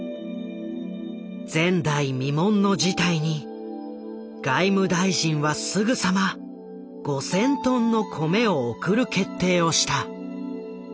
前代未聞の事態に外務大臣はすぐさま５，０００トンの米を送る決定をした。